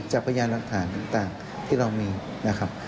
พยานหลักฐานต่างที่เรามีนะครับ